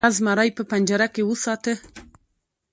هغه زمری په پنجره کې وساته.